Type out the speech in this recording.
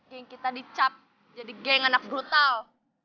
geng kita dicap jadi geng anak brutal